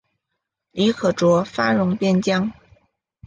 李可灼发戍边疆。